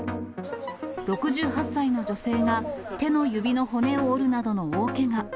６８歳の女性が、手の指の骨を折るなどの大けが。